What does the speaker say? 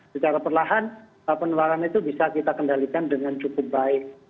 secara perlahan penularan itu bisa kita kendalikan dengan cukup baik